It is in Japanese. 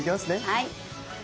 はい。